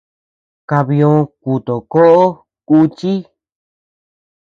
Kabiö kutokoʼo kùchi.